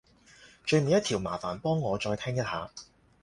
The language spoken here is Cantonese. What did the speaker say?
最尾一條麻煩幫我再聽一下